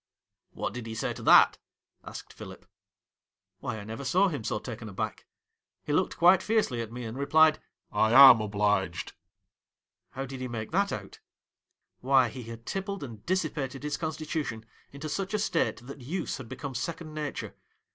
' 1 What did he sayto that 1 ' asked Philip. 'Why, I never saw him so taken aback. He looked quite fiercely at me, and replied, " I am obliged !"'' How did he make that out ?'' Why, he had tippled and dissipated his constitution into such a state that use had become second nature.